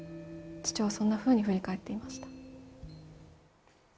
父はそんなふうに振り返っていました。